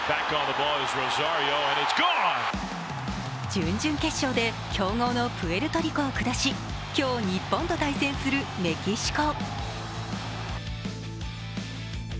準々決勝で強豪のプエルトリコを下し、今日、日本と対戦するメキシコ。